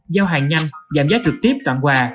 giao hàng nhanh giảm giá trực tiếp tạm quà